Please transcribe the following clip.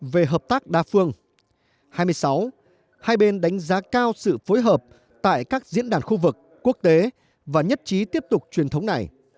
về hợp tác đa phương hai mươi sáu hai bên đánh giá cao sự phối hợp tại các diễn đàn khu vực quốc tế và nhất trí tiếp tục truyền thống này